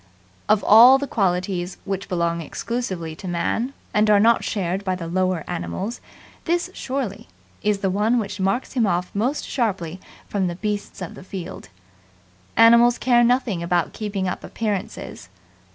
Of all the qualities which belong exclusively to Man and are not shared by the lower animals, this surely is the one which marks him off most sharply from the beasts of the field. Animals care nothing about keeping up appearances.